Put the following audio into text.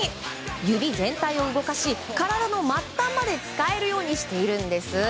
指全体を動かし体の末端まで使えるようにしているんです。